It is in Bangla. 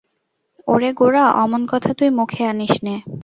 ওরে গোরা, অমন কথা তুই মুখে আনিস নে।